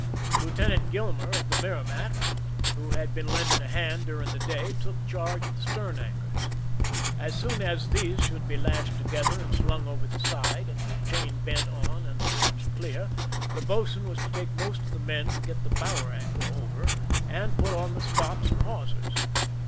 Lieutenant GTilmer of the Merrimac^ who had been lending a hand during the day, took charge of the stern anchors. As soon as these should be lashed together and slung over the side, and the chain bent on and ranged clear, the boatswain Avas to take most of the men to get the bower anchor over and put on the stops and hawsers.